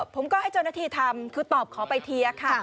ผมก็ให้เจ้าหน้าที่ทำคือตอบขอไปเทียค่ะ